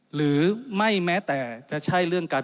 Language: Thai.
หรือไม่แม้แต่จะใช่เรื่องการ